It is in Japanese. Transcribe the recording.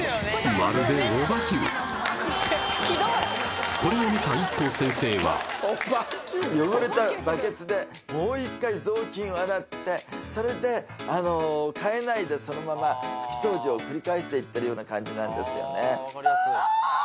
まるでひどいこれを見たＩＫＫＯ先生は汚れたバケツでもう一回雑巾を洗ってそれで変えないでそのまま拭き掃除を繰り返していってるような感じなんですよね